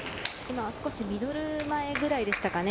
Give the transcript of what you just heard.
ミドル前ぐらいでしたかね。